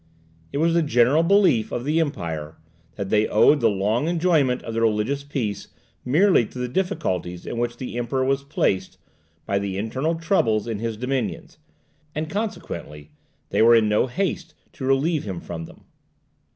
It was the general belief of the Empire, that they owed the long enjoyment of the religious peace merely to the difficulties in which the Emperor was placed by the internal troubles in his dominions, and consequently they were in no haste to relieve him from them.